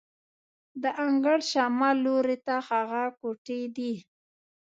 د انګړ شمال لوري ته هغه کوټې دي.